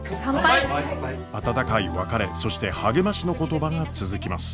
温かい別れそして励ましの言葉が続きます。